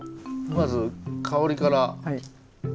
まず香りから。